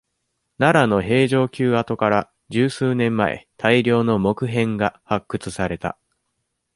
奈良の平城宮跡から、十数年前、大量の木片が、発掘された。